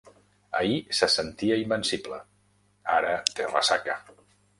Ahir se sentia invencible; ara té ressaca.